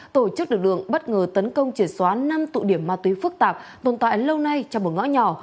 tổ chức lực lượng bất ngờ tấn công triệt xóa năm tụ điểm ma túy phức tạp tồn tại lâu nay trong một ngõ nhỏ